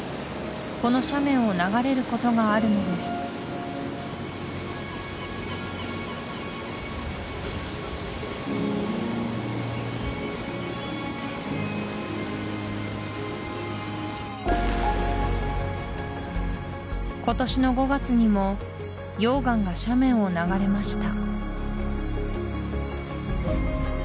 この斜面を流れることがあるのです今年の５月にも溶岩が斜面を流れました